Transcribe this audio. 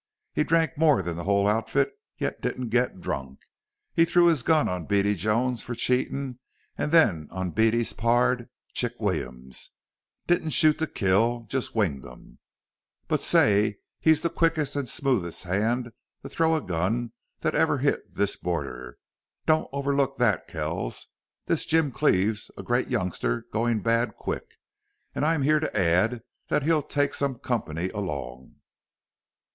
He drank more'n the whole outfit, yet didn't get drunk. He threw his gun on Beady Jones fer cheatin' an' then on Beady's pard, Chick Williams. Didn't shoot to kill jest winged 'em. But say, he's the quickest and smoothest hand to throw a gun thet ever hit this border. Don't overlook thet.... Kells, this Jim Cleve's a great youngster goin' bad quick. An' I'm here to add that he'll take some company along."